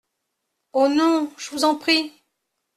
Oh ! non, je vous en prie !…